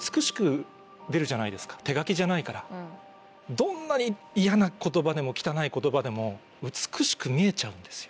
どんなに嫌な言葉でも汚い言葉でも美しく見えちゃうんですよ。